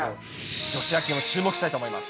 女子野球も注目したいと思います。